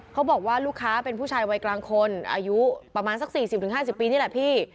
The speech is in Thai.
เขาบอกว่าลูกค้าเป็นผู้ชายวัยกลางคนอายุประมาณสัก๔๐๕๐ปีนี่แหละพี่